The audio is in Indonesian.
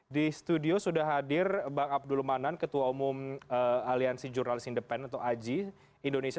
di studio sudah hadir bang abdul manan ketua umum aliansi jurnalis independen atau aji indonesia